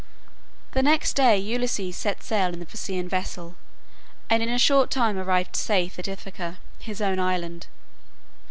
The next day Ulysses set sail in the Phaeacian vessel, and in a short time arrived safe at Ithaca, his own island.